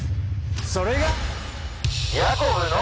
それが。